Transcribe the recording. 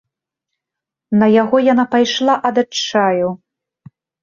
На яго яна пайшла ад адчаю.